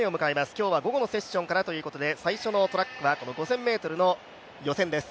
今日は午後のセッションからということで最初のトラックはこの５０００ｍの予選です。